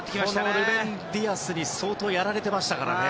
ルベン・ディアスに相当やられていましたからね。